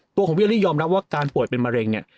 ตัวของวิลลี่ยอมรับว่าการป่วยเป็นมะเร็งเนี่ย